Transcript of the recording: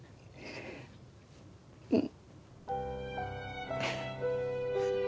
うん。